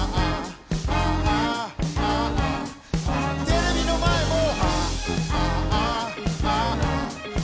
テレビの前も！